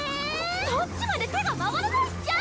そっちまで手が回らないっちゃ！